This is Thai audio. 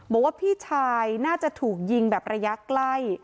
บอกว่าพี่ชายน่าจะถูกยิงแบบระยะใกล้